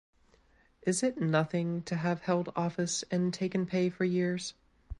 Is it nothing to have held office and taken pay for years?